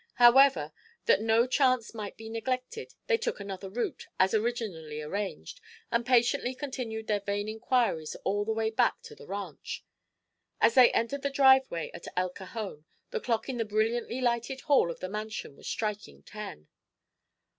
However, that no chance might be neglected, they took another route, as originally arranged, and patiently continued their vain inquiries all the way back to the ranch. As they entered the driveway at El Cajon the clock in the brilliantly lighted hall of the mansion was striking ten.